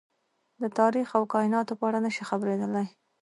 د تاريخ او کايناتو په اړه نه شي خبرېدلی.